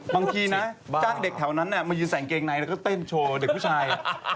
บางทีนะจ้างเด็กแถวนั้นมายืนใส่เกงในแล้วก็เต้นโชว์เด็กผู้ชาย